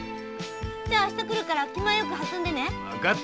じゃ明日来るから気前よくはずんでね。